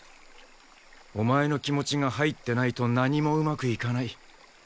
お前の気持ちが入ってないと何もうまくいかない。